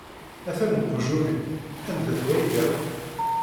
Atan weqjun-im, anda-t wayla-w?